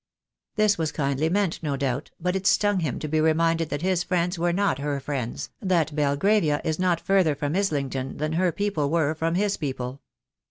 This was kindly meant, no doubt, but it stung him to be reminded that his friends were not her friends, that Belgravia is not further from Islington than her people were from his people.